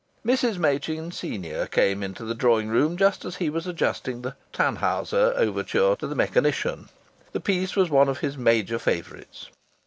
Mrs. Machin, senior, came into the drawing room just as he was adjusting the "Tannhäuser" overture to the mechanician. The piece was one of his major favourites.